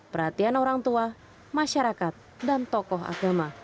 perhatian orang tua masyarakat dan tokoh agama